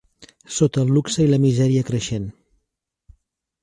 Sota el luxe i la misèria creixent